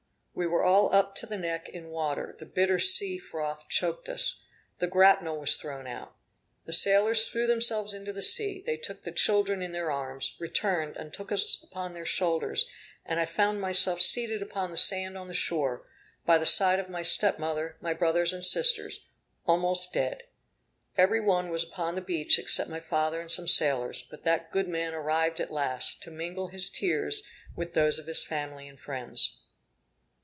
We were all up to the neck in water; the bitter sea froth choked us. The grapnel was thrown out. The sailors threw themselves into the sea; they took the children in their arms; returned, and took us upon their shoulders; and I found myself seated upon the sand on the shore, by the side of my step mother, my brothers and sisters, almost dead. Every one was upon the beach except my father and some sailors; but that good man arrived at last, to mingle his tears with those of his family and friends.